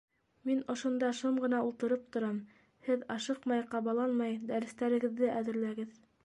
- Мин ошонда шым ғына ултырып торам, һеҙ ашыҡмай-ҡабаланмай дәрестәрегеҙҙе әҙерләгеҙ.